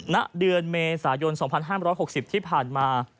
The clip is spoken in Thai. ณเดือนเมษายน๒๕๖๐ที่ผ่านมา